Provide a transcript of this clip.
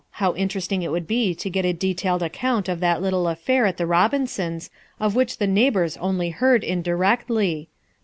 How interesting it would be to get a detailed account of that little affair at the Robinsons', of which the neighbours only heard indirectly!